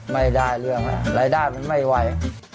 ไม่ได้เรื่องแล้วรายได้มันไม่ไหว